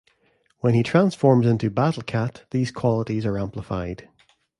When he transforms into Battle Cat, these qualities are amplified.